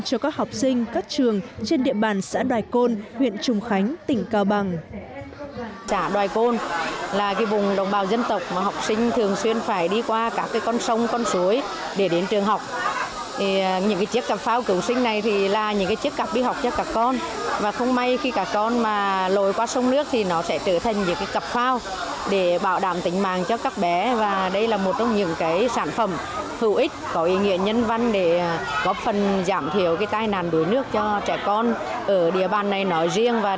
cho các học sinh các trường trên địa bàn xã đoài côn huyện trùng khánh tỉnh cao bằng